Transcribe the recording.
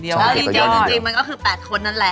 เขาก็เก็บตะยอดอย่างเดียว